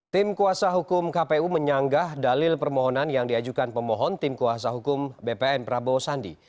tim kuasa hukum kpu menyanggah dalil permohonan yang diajukan pemohon tim kuasa hukum bpn prabowo sandi